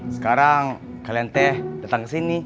sekarang kalian teh datang kesini